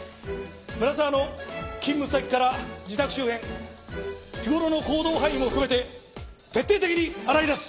村沢の勤務先から自宅周辺日頃の行動範囲も含めて徹底的に洗い出す！